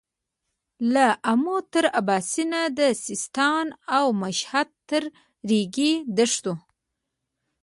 له امو تر اباسينه د سيستان او مشهد تر رېګي دښتو.